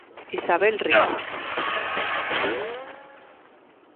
Isabel Risco.